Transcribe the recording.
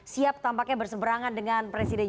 siap tampaknya berseberangan dengan presiden